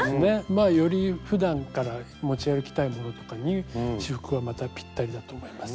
まあよりふだんから持ち歩きたいものとかに仕覆はまたぴったりだと思います。